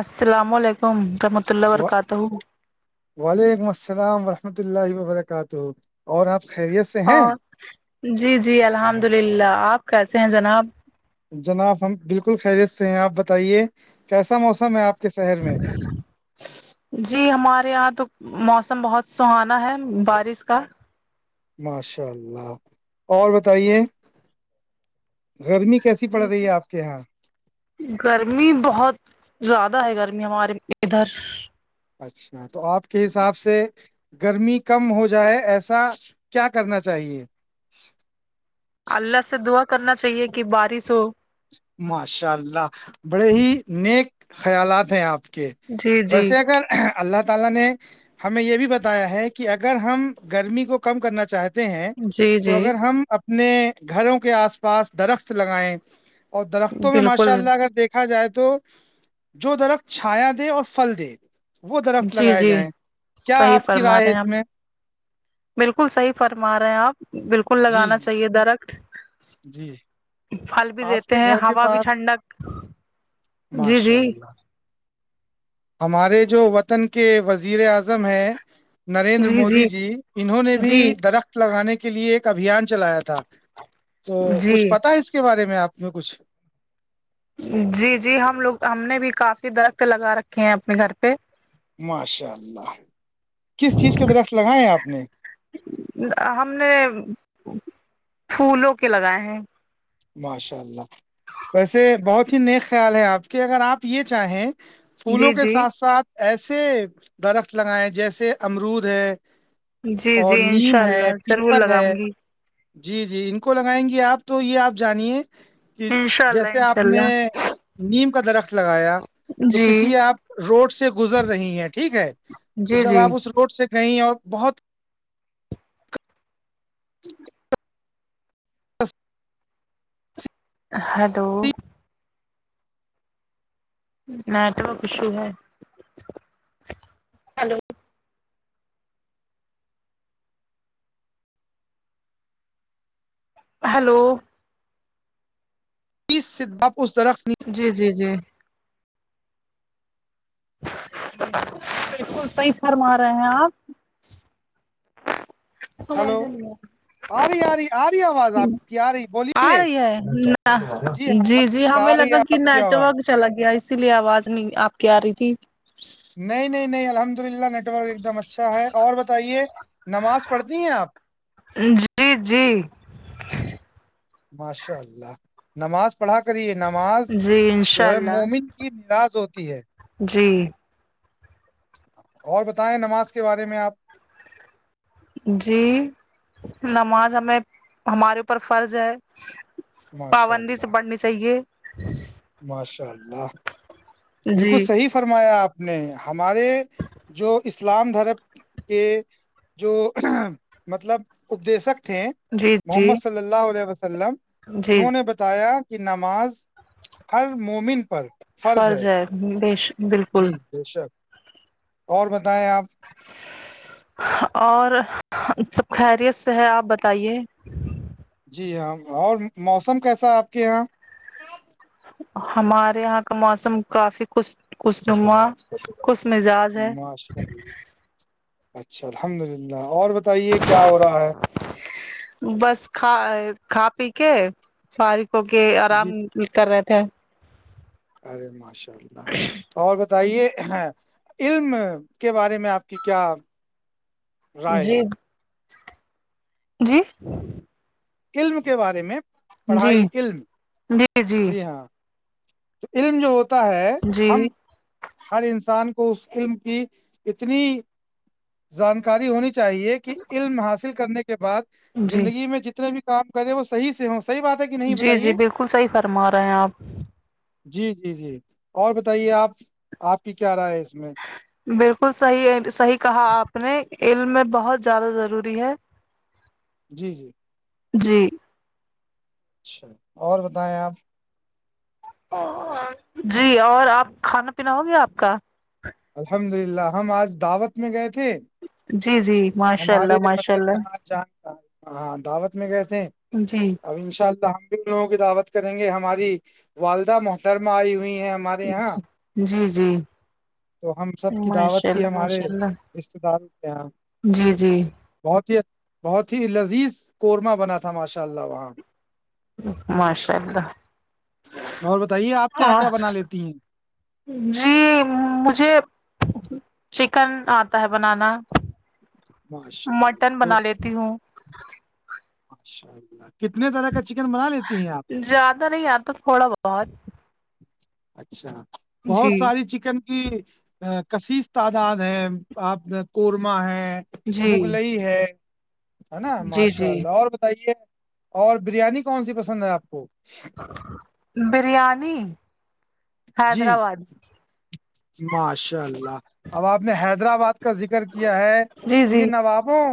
السلام علیکم رحمۃ اللہ و برکاتہ وعلیکم السلام ورحمۃ اللہ وبرکاتہ اور آپ خیریت سے ہیں ہاں جی جی الحمد للہ آپ کیسے ہیں جناب [unintelligible] جناب ہم بالکل خیریت سے ہیں آپ بتائیے کیسا موسم ہے آپ کے شہر میں جی ہمارے یہاں تو موسم بہت سہانا ہے بارش کا ماشاء اللہ اور بتائیے گرمی کیسی پڑ رہی ہے آپ کے یہاں گرمی بہت زیادہ ہے گرمی ہمارے ادھر اچھا تو آپ کے حساب سے گرمی کم ہو جائے ایسا کیا کرنا چاہیے [unintelligible] اللہ سے دعا کرنا چاہیے کہ بارش ہو ماشاء اللہ بڑے ہی نیک خیالات ہیں آپ جی جی ویسے اگر [unintelligible] [unintelligible] ہیں جی تو جی اگر ہم اپنے گھروں کے آس پاس درخت لگائیں [unintelligible] اور درختوں میں ماشاء بالکل اللہ اگر دیکھ [unintelligible] کہا جائے تو جو درخت چھایا دے اور فھل دے [unintelligible] وہ درخت جی لگائے جی جائیں کیا صحیح آپ کی فرما رائے ہے رہے ہیں اس ہم میں بالکل صحیح فرما رہے ہیں آپ بالکل جی لگانا جی چاہیے درخت جی [unintelligible] پھل بھی آپ دیتے کے ہیں گھر کے ہوا بھی پاس ٹھنڈک جی ماشاء جی اللہ ہمارے جو وطن کے وزیر اعظم ہیں نریندر مودی جی انہوں نے بھی جی درخت لگانے کے لیے ایک ابھیان چلایا تھا تو جی کچھ پتا ہے اس کے بارے میں آپ نے کچھ جی جی ہم لوگ ہم نے بھی کافی درخت لگا رکھے ہیں اپنے گھر پہ ماشاء اللہ کس چیز کے درخت لگائے ہیں آپ نے ہم نے پھولوں کے لگائے ہیں ماشاء اللہ ویسے بہت ہی نیک خیال ہے آپ کے اگر آپ یہ چاہیں جی پھولوں کے جی ساتھ ساتھ ایسے درخت لگائے جیسے امرود ہے جی اور جی انشاء نیم ہے اللہ ضرور پیپل ہے لگاؤں گی جی جی ان کو لگائیں گے آپ تو یہ آپ جانیے کہ انشاء اللہ جیسے انشاء آپ نے اللہ نیم کا درخت لگایا تو جی کسی آپ روڈ سے گزر رہی ہیں ٹھیک ہے تو جی جب جی آپ اس روڈ سے گئیں اور بہت ٹھیک ہے [unintelligible] ہیلو نیٹورک ایشو ہے ہیلو ہلو سے باپ اس درخت نہیں جی جی جی بالکل صحیح فرما رہے ہیں آپ ہ ہلو دنواد آ رہی آ رہی آ رہی آواز آپ کی آ رہی آ بولیے رہی ہے ہاں جی الحمد جی للہ ہمیں آ رہی ہے لگا کہ آپ کی نیٹ آواز ورک چلا گیا اسی لیے آواز نہیں آپ کے آ رہی تھی نہیں نہیں نہیں الحمد للہ نیٹورک ایک دم اچھا ہے اور بتائیے نماز پڑھتی ہیں آپ جی جی جی ماشاء اللہ نماز پڑھا کریے نماز جی انشاء جو ہے اللہ مومن کی میراث ہوتی ہے جی اور بتائیں نماز کے بارے میں آپ جی نماز ہمیں ہمارے اوپر فرض ہے ماشاء پابندی سے اللہ پڑھنی چاہیے ماشاء اللہ بالکل جی صحیح فرمایا آپ نے ہمارے جو اسلام دھرم کے جو مطلب اپدشک تھے جی جی محمد صلی اللہ علیہ وسلم جی انہوں نے بتایا کہ نماز ہر مومن پر فرض ہے بیش بالکل جی بے شک اور بتائیں آپ اور سب خیریت سے ہے آپ بتائیے جی ہاں اور موسم کیسا ہے آپ کے یہاں ہمارے یہاں کا موسم کافی خش خشما کس مزاج ہے ماشاء اللہ اچھا الحمد للہ اور بتائیے کیا ہو رہا ہے رہا بس کا کھا پی کے ساری کو کے آرام جی جی کر رہے تھے ارے ماشاء اللہ اور بتائیے ہ علم کے بارے میں آپ کی کیا رائے جی ہے جی علم کے بارے میں جی پڑھائی علم جی ہاں تو علم جو ہوتا ہے ہم جی ہر انسان کو اس فلم کی اتنی جانکاری ہونی چاہیے کہ علم حاصل کرنے کے بعد جی زندگی میں جتنے بھی کام کرے وہ صح سے ہو صح بات ہے کہ نہیں جی جی بتائیے بالکل صحیح فرما رہے ہیں آپ جی جی جی اور بتائیے آپ آپ کی کیا رائے ہے اس میں بالکل صحیح صحیح کہا آپ نے علم میں بہت زیادہ ضروری ہے [inaudible] جی جی جی اچھا اور بتائیں آپ جی اور آپ کھانا پینا ہوگیا آپ کا الحمد للہ ہم آج دعوت میں گئے تھے جی جی ماشاء ہمارے اللہ ماشاء مطلب اللہ یہاںان ہاں دعوت میں گئے تھے جی اب ان شاء اللہ ہم لوگوں کی دعوت کریں گے ہماری والدہ محترمہ آئی ہوئی ہے ہم جی جی تو ہم سب کی دعوت ماشاء تھی اللہ ہمارے ماشاء اللہ رشتے داروں کے یہاں جی جی بہت ہی بہت ہی لذیذ قورمہ بنا تھا ماشاء اللہ وہاں ماشاء اللہ اور بتائیے آپ کیا کیا اور بنا لیتی ہیں جی مجھے چکن آتا ہے بنانا ماشاء مٹن اللہ بنا لیتی ہوں اچھا کتنے طرح کا چکن بنا لیتی ہیں آپ زیادہ نہیں آتا تھوڑا بہت اچھا بہت جی ساری چکن کہ کشس تعداد ہے آپ قورمہ ہے جی مغلئی ہے ہے نا جی ماشاء جی اللہ اور بتائیے اور بریانی کون سی پسند ہے آپ کو بریانی جی حیدرآباد ماشاء اللہ اب آپ نے حیدرآباد کا ذکر کیا ہے جی تو جی یہ نوابوں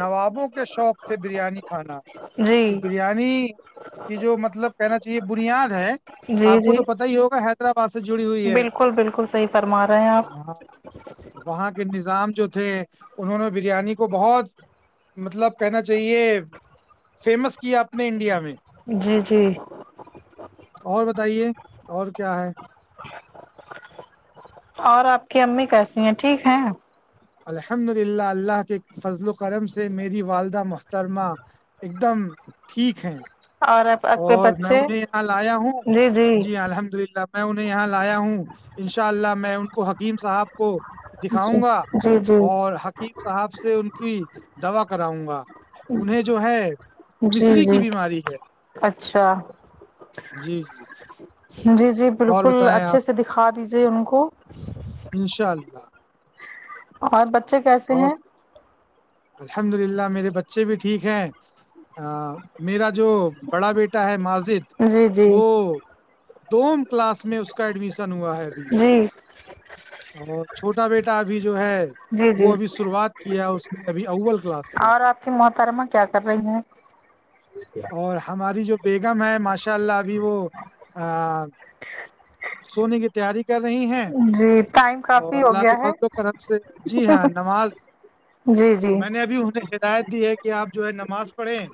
نوابوں کے شوق تھے بریانی کھانا جی بریانی کہ جو مطلب کہنا چاہیے بنیاد ہے جی آپ کو جی تو پتا ہی ہوگا حیدرآباد سے جڑی ہوئی ہے بالکل بالکل صحیح فرما رہے ہیں آپ ہاں وہاں کے نظام جو تھے انہوں نے بریانی کو بہت مطلب کہنا چاہیے فیمس کیا آپ نے انڈیا میں جی جی اور بتائیے اور کیا ہے اور آپ کی امی کیسی ہیں ٹھیک ہے الحمد للہ اللہ کے فضل و کرم سے میری والدہ محترمہ ایک دم ٹھیک ہیں [unintelligible] اور میں بچے انہیں یہاں آیا ہوں جی الحمد للہ انہیں یہاں لایا ہوں ان شاء اللہ میں ان کو حکیم صاحب کو جی دکھاؤں گا جی جی اورق ی صاحب سے ان کی دوا کراؤں گا انہیں جو ہے جی مصری کی جی بیماری ہے اچھا جی جی جی جی اور بالکل بتائیں اچھے آپ سے دکھا دیجیے ان کو انشاء اللہ اور بچے کیسے اور ہیں الحمد للہ میرے بچے بھی ٹھیک ہیں میرا جو بڑا بیٹا ہے ماجد جی جی دووم کلاس میں اس کا ایڈمیشن ہوا ہے ابھی جی اور چھوٹا بیٹا ابھی جو ہے جی وہ جی ابھی شروعات کیا اس نے ابھی اول کلاس سے کہ محترمہ کیا کر رہی ہیں اور ہماری جو بیگم ہے ماشاء اللہ ابھی وہ سونے کے تیاری کر رہی ہیں جی ٹائم اور کافی ہو اللہ کے گیا ہے فضل و کرم سے جی ہاں نماز جی جی میں نے ابھی انہیں ہدایت دی ہے کہ آپ جو ہے نماز پڑھیں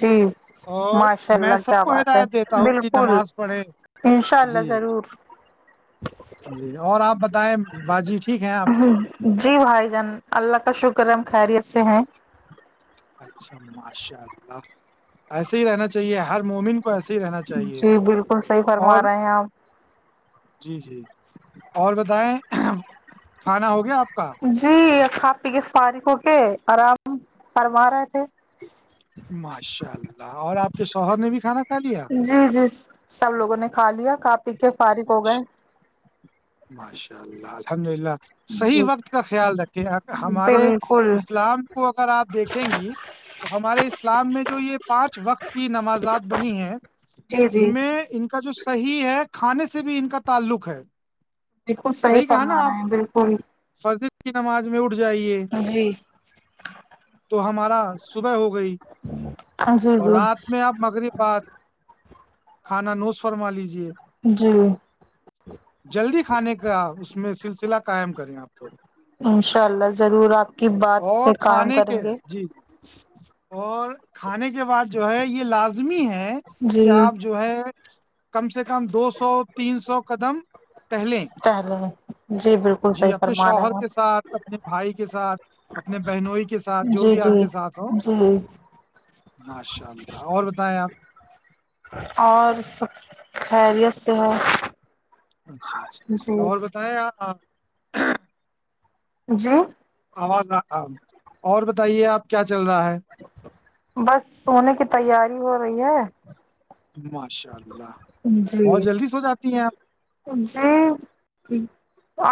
جی اور ماشاء میں اللہ سب کیا کو بات ہے ہدایت دیتا ہوں کہ بالکل نماز پڑھیں انشاء اللہ جی ضرور جی اور آپ بتائیں باجی ٹھیک ہے آپ جی بھائی جان اللہ کا شکر ہے ہم خیریت سے ہیں اچھا ماشاء اللہ ایسے ہی رہنا چاہیے ہر مومن ایسے ہی رہنا چاہیے جی بالکل صحیح اور فرما رہے ہیں آپ جی جی اور بتائیں کھانا ہو گیا آپ کا جی آپ کے فارغ ہو کے آرام فرما رہے تھے ماشاء اللہ اور آپ کے شوہر نے بھی کھانا کھا لیا جی جی سب لوگوں نے کھا لیا کا پی کے فارغ ہو گئے ماشاء ماشاء اللہ الحمد للہ صحیح جی وقت کا جی خیال رکھے ہمارے بالکل اسلام کو اگر آپ دیکھیں گی تو ہمارے اسلام میں جو یہ پانچ وقت کی نمازات بنی ہیں جی ان جی میں ان کا جو صحیح ہے کھانے سے بھی ان کا تعلق ہے بالکل صحیح فرما رہے ہیں بالکل فضل کی نماز میں اٹھ جائیے جی تو ہمارا صبح ہو گئی جی اور جی رات میں آپ مغرب بات کھانا نوس فرما لیجے جی جلدی کھانے کا اس میں سلسلہ قائم کریں آپ لوگ انشاء اللہ ضرور آپ کی بات پہ اور قائم کھانے کریں کے گے جی جی اور کھانے کے بعد جو ہے یہ لازمی ہے ہے کہ جی آپ جو ہے کم سے کم دو سو تین سو قدم ٹہلیں پہلے جی بالکل جی صحیح اپنے فرما شوہر رہے ہیں کے ساتھ اپنے بھائی کے ساتھ اپنے بہنوئی کے ساتھ جو جی بھی آپ جی کے ساتھ ہو جی ماشاء اللہ اور بتائیں آپ اور سب خیریت سے ہے اچھا اچھا جی اچھا اور بتائیں جی آواز اور بتائیے آپ کیا چل رہا ہے بس سونے کی تیاری ہو رہی ہے ماشاء اللہ جی بہت جلدی سو جاتی ہیں آپ جی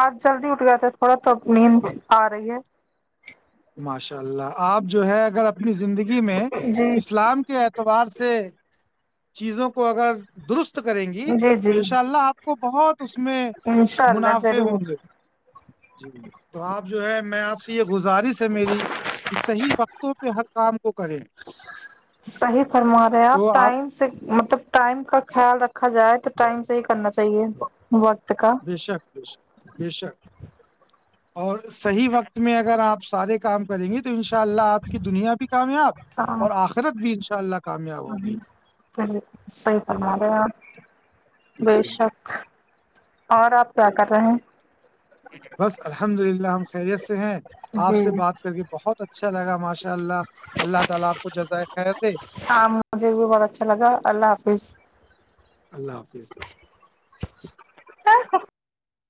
آج جلدی اٹھ گیا تھ تھوڑا تو نیند آ رہی ہے ماشاء اللہ آپ جو ہے اگر اپنی زندگی میں جی اسلام کے ابار سے چیزوں کو اگر درست کریں گی جی تو جی ان شاء اللہ آپ کو بہت اس میں انشاء اللہ منافع ہوں ضرور گے جی تو آپ جو ہے میں آپ سے یہ گزارش ہے میری کہ صحیح و پہ ہر کام کو کریں صحیح فرما رہے آپ ٹائم سے مطلب ٹائم کا خیال رکھا جائے تو ٹائم سے ہی کرنا چاہیے وقت کا ب شک بشک ب شک اور صحیح وقت میں اگر آپ سارے کام کریں گے تو ان شاء اللہ آپ کی دنیا بھی کامیاب ہاں اور آخرت بھی ان شاء اللہ کامیاب ہوگی صحی پرناارے بے جی جی شخ اور آپ کیا کر رہے ہیں ج بس الحمد للہ ہم خیریت سے ہیں آپ جی سے بات کر کے بہت اچھ [inaudible] عم مجھے بھی بہت اچھا لگا اللہ حافظ اللہ حافظ ہ